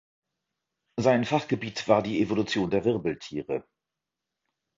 Sein Fachgebiet war die Evolution der Wirbeltiere.